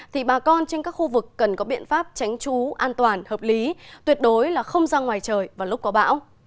thì bà con trên các khu vực cần có biện pháp tránh chú an toàn hợp lý tuyệt đối là không ra ngoài trời vào lúc có bão